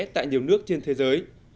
tại nhiều nước trên thế giới